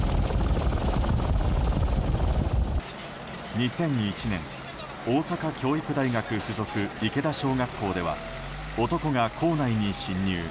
２００１年大阪教育大学附属池田小学校では男が小学校に侵入。